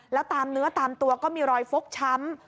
แล้วตามเนื้อตามตัวก็มีรอยฟกช้ำ